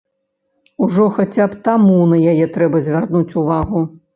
Ужо хаця б таму на яе трэба звярнуць увагу.